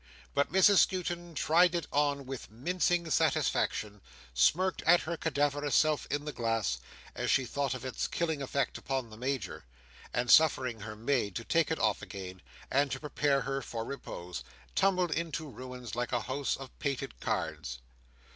But Mrs Skewton tried it on with mincing satisfaction; smirked at her cadaverous self in the glass, as she thought of its killing effect upon the Major; and suffering her maid to take it off again, and to prepare her for repose, tumbled into ruins like a house of painted cards.